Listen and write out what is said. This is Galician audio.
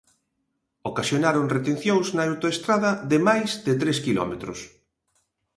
Ocasionaron retencións na autoestrada de máis de tres quilómetros.